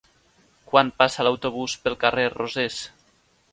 Quan passa l'autobús pel carrer Rosés?